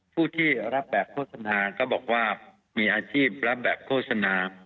ผู้ที่รับแบบโฆษณาก็บอกว่ามีอาชีพรับแบบโฆษณา